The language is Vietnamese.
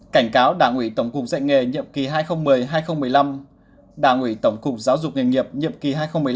cảnh cáo đảng ủy tổng cục dạy nghề nhiệm kỳ hai nghìn một mươi hai nghìn một mươi năm đảng ủy tổng cục giáo dục nghề nghiệp nhiệm kỳ hai nghìn một mươi năm hai nghìn hai mươi